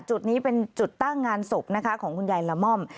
จุดนี้เป็นจุดตั้งงานศพนะคะของคุณยายละม่อม